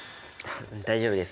大丈夫です